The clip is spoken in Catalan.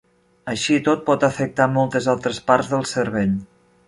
Així i tot, pot afectar moltes altres parts del cervell.